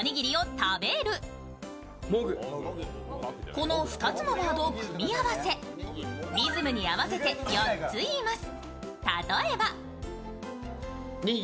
この２つのワードを組合わせリズムに合わせて４つ言います。